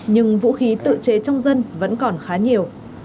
nhưng vũ khí tự chế trong dân vẫn còn khá nhiều